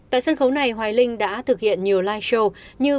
tại sân khấu này hoài linh đã thực hiện nhiều live show như